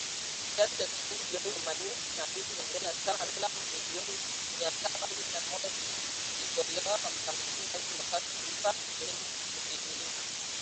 Kiasi cha shilingi bilioni themanini na mbili za Kenya sawa na dola milioni mia saba kumi na moja zilitolewa kwa makampuni hayo Jumatatu kulipa sehemu ya deni hilo